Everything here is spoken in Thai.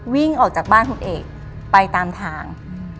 วิ่งออกจากบ้านคุณเอกไปตามทาง